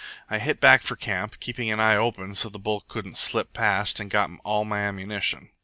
I hit back for camp, keeping an eye open so the bull couldn't slip past, and got my ammunition.